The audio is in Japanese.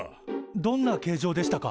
どんな形状でしたか？